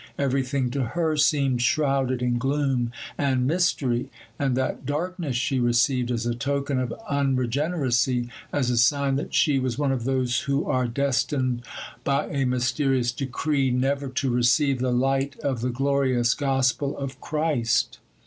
Everything to her seemed shrouded in gloom and mystery; and that darkness she received as a token of unregeneracy, as a sign that she was one of those who are destined, by a mysterious decree, never to receive the light of the glorious gospel of Christ.